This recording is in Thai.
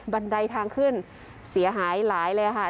บันไดทางขึ้นเสียหายหลายเลยค่ะ